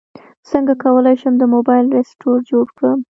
څنګه کولی شم د موبایل رسټور جوړ کړم